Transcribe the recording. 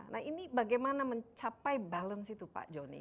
nah ini bagaimana mencapai balance itu pak joni